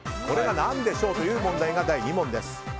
何でしょうという問題が第２問です。